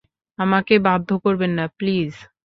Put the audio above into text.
আমাকে বাধ্য করবেন না, প্লিজ।